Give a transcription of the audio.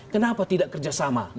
kenapa tidak kerjasama